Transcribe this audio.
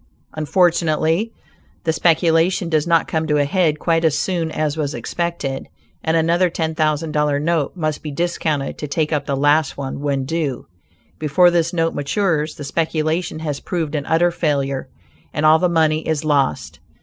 Unfortunately the speculation does not come to a head quite so soon as was expected, and another $10,000 note must be discounted to take up the last one when due. Before this note matures the speculation has proved an utter failure and all the money is lost.